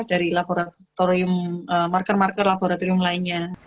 dari laboratorium marker marker laboratorium lainnya